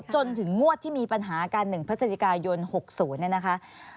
จนถึงงวดที่มีปัญหากัน๑พฤศจิกายน๖๐เนี่ยนะคะ